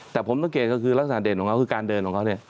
แต่ผมสังเกตก็คือลักษณะเด่นของเขาคือการเดินของเขาเนี่ย